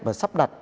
và sắp đặt